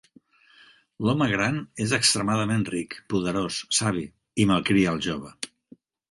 L'home gran és extremadament ric, poderós, savi, i malcria el jove.